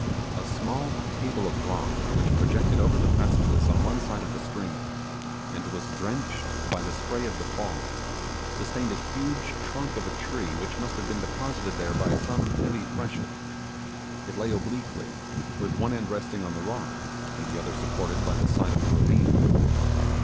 A small table of rock which projected over the precipice on one side of the stream, and was drenched by the spray of the fall, sustained a huge trunk of a tree which must have been deposited there by some heavy freshet. It lay obliquely, with one end resting on the rock and the other supported by the side of the ravine.